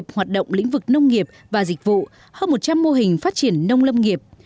hoạt động lĩnh vực nông nghiệp và dịch vụ hơn một trăm linh mô hình phát triển nông lâm nghiệp